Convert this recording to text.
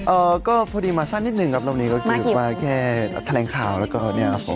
เอ่อก็พอดีมาสั้นนิดหนึ่งครับรอบนี้ก็คือว่าแค่แถลงข่าวแล้วก็เนี่ยครับผม